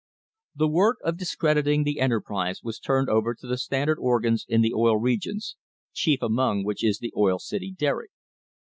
The work of discrediting the enterprise was turned over to the Standard organs in the Oil Regions, chief among which is the Oil City Derrick.